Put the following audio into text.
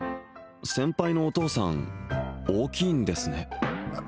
先輩のお父さん大きいんですね